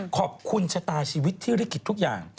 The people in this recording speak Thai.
ขอบคุณชะตาชีวิตที่ลิขิตทุกอย่าง